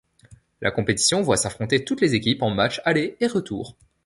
La compétition voit s'affronter toutes les équipes en matches aller et retour.